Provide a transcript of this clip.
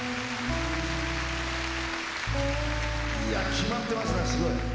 決まってますねすごい。